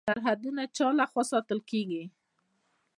سرحدونه چا لخوا ساتل کیږي؟